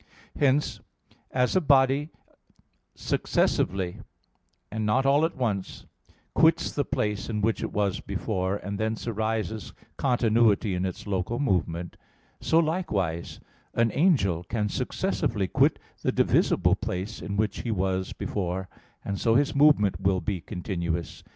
Hence as a body successively, and not all at once, quits the place in which it was before, and thence arises continuity in its local movement; so likewise an angel can successively quit the divisible place in which he was before, and so his movement will be continuous.